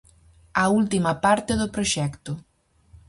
A última parte do proxecto.